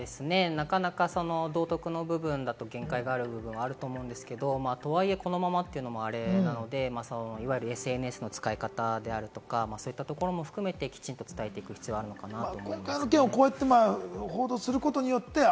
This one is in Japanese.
なかなか道徳の部分とかだと限界がある部分もあると思うんですけれども、とはいえ、このままというのはあれなので、いわゆるＳＮＳの使い方であるとか、そういったところも含めてきちんと伝えていく必要があるのかなと思います。